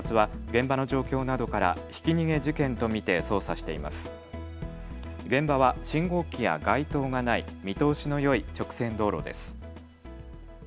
現場は信号機や街灯がない見通しのよい直線道路です。